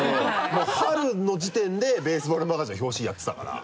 もう春の時点でベースボールマガジンの表紙やってたから。